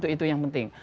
itu yang penting